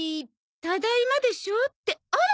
ただいまでしょ？ってあら！